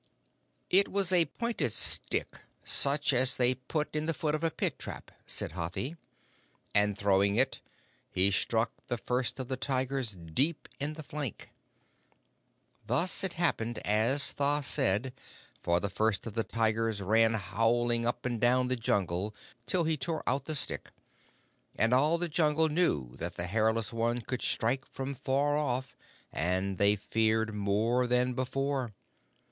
"It was a pointed stick, such as they put in the foot of a pit trap," said Hathi, "and throwing it, he struck the First of the Tigers deep in the flank. Thus it happened as Tha said, for the First of the Tigers ran howling up and down the Jungle till he tore out the stick, and all the Jungle knew that the Hairless One could strike from far off, and they feared more than before.